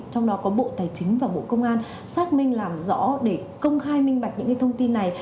trong đó có bộ tài chính và bộ công an xác minh làm rõ để công khai minh bạch những thông tin này